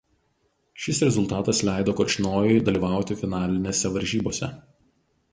Šis rezultatas leido Korčnojui dalyvauti finalinėse varžybose.